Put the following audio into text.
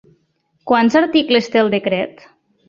Quants articles té el decret?